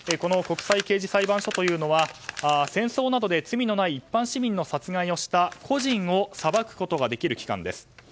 国際刑事裁判所というのは戦争などで罪のない一般市民を殺害した個人を裁くことができる機関です。